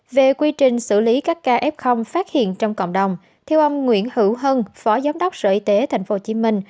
về quy trình xử lý các ca f phát hiện trong cộng đồng theo ông nguyễn hữu hân phó giám đốc sở y tế tp hcm